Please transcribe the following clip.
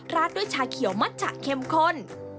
ราดด้วยชาเขียวมัชจะเข้มข้น